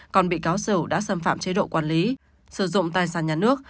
còn bị cáo sửu đã xâm phạm chế độ quản lý sử dụng tài sản nhà nước